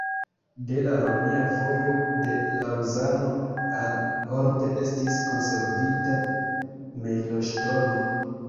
De la romia vojo de Laŭzano al Orbe estis konservita mejloŝtono.